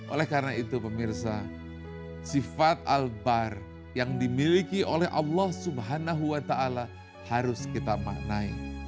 oleh karena itu pemirsa sifat al bahr yang dimiliki oleh allah subhanahu wa ta'ala harus kita manai